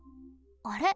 あれ？